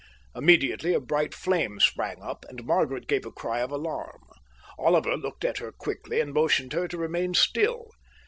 Immediately a bright flame sprang up, and Margaret gave a cry of alarm. Oliver looked at her quickly and motioned her to remain still.